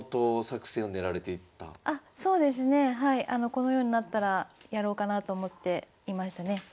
このようになったらやろうかなと思っていましたね。